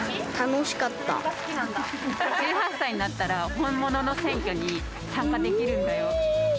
１８歳になったら本物の選挙に参加できるんだよ。